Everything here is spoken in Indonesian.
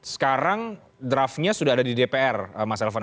sekarang draftnya sudah ada di dpr mas elvan